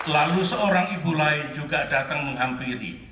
lalu seorang ibu lain juga datang menghampiri